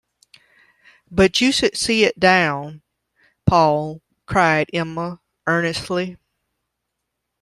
“But you should see it down, Paul,” cried Emma earnestly.